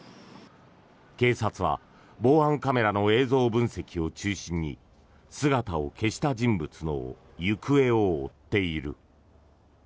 警察は防犯カメラの映像分析を中心に姿を消した人物の行方を追っている。